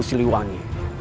dari gusti liwangi